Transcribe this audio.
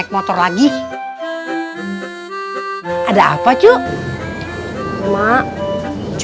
kok motornya dirantai emak